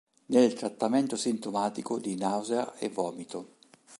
Nel trattamento sintomatico di nausea e vomito.